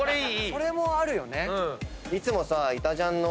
「それもあるよね」